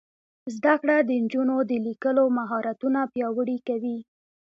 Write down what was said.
زده کړه د نجونو د لیکلو مهارتونه پیاوړي کوي.